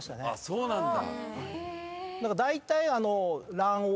そうなんだ。